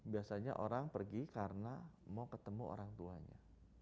biasanya orang pergi karena mau ketemu orang tuanya